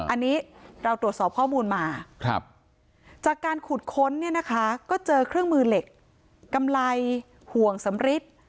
อันนี้เราตรวจสอบข้อมูลมาจากการขุดค้นเนี่ยนะคะก็เจอเครื่องมือเหล็กกำไรห่วงสำริท